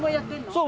そう。